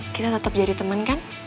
kita tetep jadi temen kan